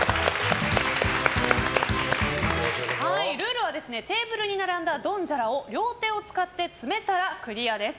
ルールはテーブルに並んだドンジャラを両手を使って詰めたらクリアです。